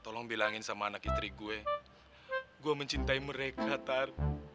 tolong bilangin sama anak istri gue gue mencintai mereka tar